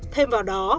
thêm vào đó